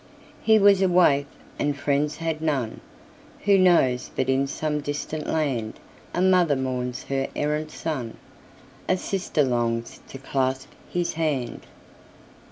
He was a waif, and friends had none; Who knows but in some distant landA mother mourns her errant son,A sister longs to clasp his hand?